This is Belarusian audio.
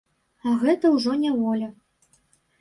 А гэта ўжо няволя.